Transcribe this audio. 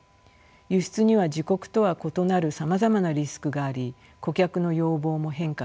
輸出には自国とは異なるさまざまなリスクがあり顧客の要望も変化します。